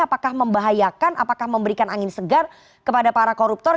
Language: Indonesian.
apakah membahayakan apakah memberikan angin segar kepada para koruptor